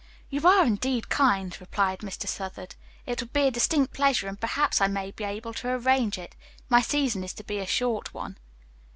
"You are indeed kind," responded Mr. Southard. "It would be a distinct pleasure and perhaps I may be able to arrange it. My season is to be a short one."